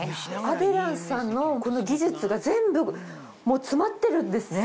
アデランスさんの技術が全部詰まってるんですね。